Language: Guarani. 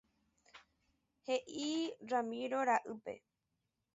He'i Ramiro ra'ýpe.